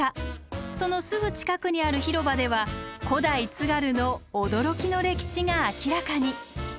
そのすぐ近くにある広場では古代津軽の驚きの歴史が明らかに。